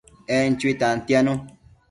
En chui tantianu